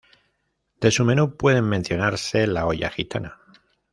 De su menú puede mencionarse la olla gitana.